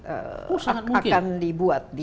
akan dibuat di bentuk ini